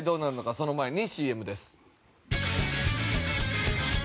その前にＣＭです。